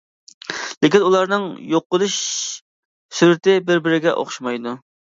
لېكىن ئۇلارنىڭ يوقىلىش سۈرئىتى بىر-بىرىگە ئوخشىمايدۇ.